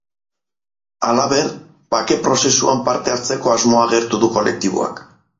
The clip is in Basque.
Halaber, bake prozesuan parte hartzeko asmoa agertu du kolektiboak.